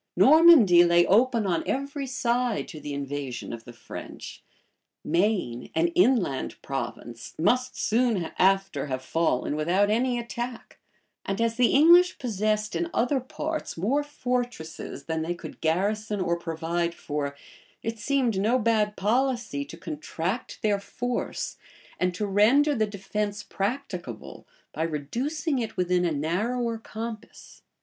Normandy lay open on every side to the invasion of the French: Maine, an inland province, must soon after have fallen without any attack; and as the English possessed in other parts more fortresses than they could garrison or provide for, it seemed no bad policy to contract their force, and to render the defence practicable, by reducing it within a narrower compass.